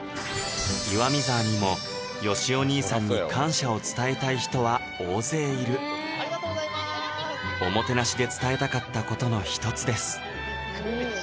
岩見沢にもよしお兄さんに感謝を伝えたい人は大勢いるおもてなしで伝えたかったことの一つです